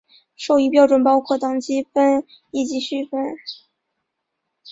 授予标准包括等级分以及序分。